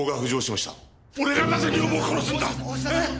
俺がなぜ女房を殺すんだ！え！？